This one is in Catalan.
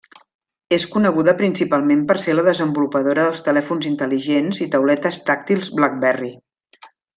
És coneguda principalment per ser la desenvolupadora dels telèfons intel·ligents i tauletes tàctils BlackBerry.